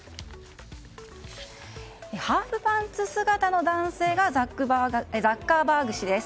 ハーフパンツ姿の男性がザッカーバーグ氏です。